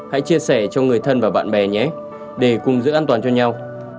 hãy chia sẻ cho người thân và bạn bè nhé để cùng giữ an toàn cho nhau